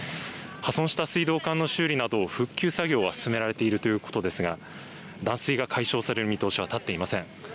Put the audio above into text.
破損した水道管の修理など復旧作業は進められているということですが断水が解消される見通しは立っていません。